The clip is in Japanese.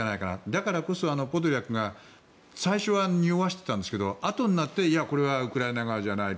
だからこそポドリャクが最初はにおわせていたけどあとになっていや、これはウクライナ側じゃない。